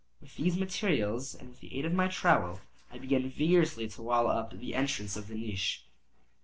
With these materials and with the aid of my trowel, I began vigorously to wall up the entrance of the niche.